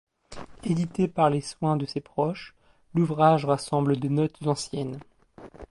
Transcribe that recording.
Édité par les soins de ses proches, l’ouvrage rassemble des notes anciennes.